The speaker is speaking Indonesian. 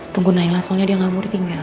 tunggu naila soalnya dia ngamudi tinggal